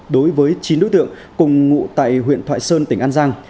chín đối tượng cùng ngụ tại huyện thoại sơn tỉnh an giang